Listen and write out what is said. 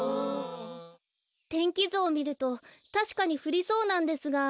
天気ずをみるとたしかにふりそうなんですが。